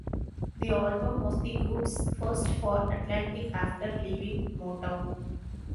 The album was the group's first for Atlantic after leaving Motown.